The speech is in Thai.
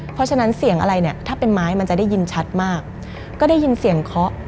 เพราะฉะนั้นเสียงอะไรเนี่ยถ้าเป็นไม้มันจะได้ยินชัดมากก็ได้ยินเสียงเคาะ